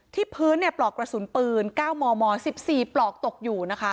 ที่พื้นปลอกกระสุนปืน๙มม๑๔ปลอกตกอยู่นะคะ